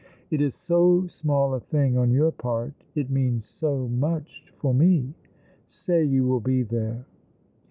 It is so small a thing on your part — it means so much for me ! Say you will be there."